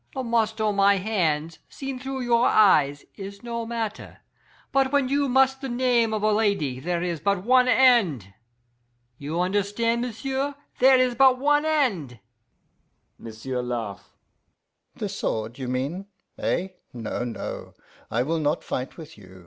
The must on my hands, seen through your eyes, is no matter, but when you must the name of a lady there is but one end. You understan', m'sieu', there is but one end.' M'sieu' laugh. 'The sword, you mean? Eh? No, no, I will not fight with you.